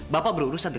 itu kejar parlem